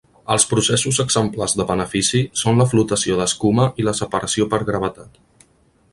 Els processos exemplars de benefici són la flotació d'escuma i la separació per gravetat.